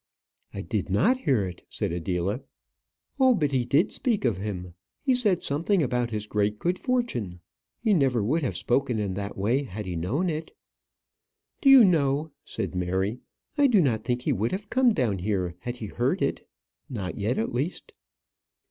"I did not hear it," said Adela. "Oh, he did speak of him. He said something about his great good fortune. He never would have spoken in that way had he known it." "Do you know," said Mary, "I do not think he would have come down here had he heard it not yet, at least."